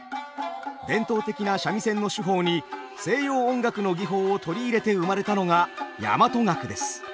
伝統的な三味線の手法に西洋音楽の技法を取り入れて生まれたのが大和楽です。